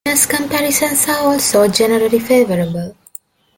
Brightness comparisons are also generally favorable.